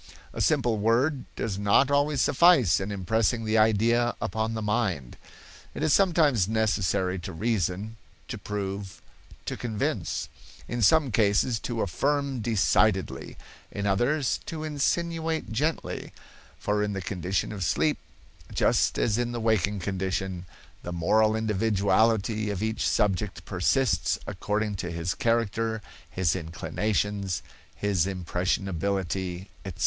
A simple word does not always suffice in impressing the idea upon the mind. It is sometimes necessary to reason, to prove, to convince; in some cases to affirm decidedly, in others to insinuate gently; for in the condition of sleep, just as in the waking condition, the moral individuality of each subject persists according to his character, his inclinations, his impressionability, etc.